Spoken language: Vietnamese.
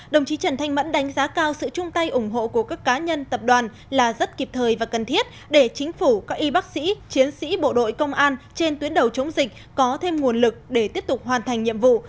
đồng chí trần thanh mẫn đánh giá cao sự chung tay ủng hộ của các cá nhân tập đoàn là rất kịp thời và cần thiết để chính phủ các y bác sĩ chiến sĩ bộ đội công an trên tuyến đầu chống dịch có thêm nguồn lực để tiếp tục hoàn thành nhiệm vụ